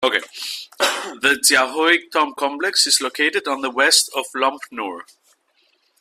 The Xiaohe Tomb complex is located to the west of Lop Nur.